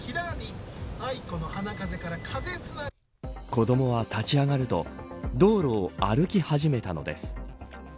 子どもは立ち上がると道路を歩き始めたのです。